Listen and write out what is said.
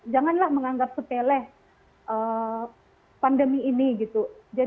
janganlah menganggap sepele pandemi ini gitu